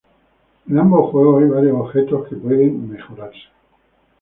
En ambos juegos hay varios objetos que pueden mejorarse.